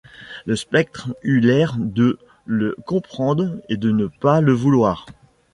Le spectre eut l’air de le comprendre et de ne pas le vouloir.